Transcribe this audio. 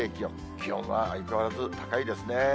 気温は相変わらず高いですね。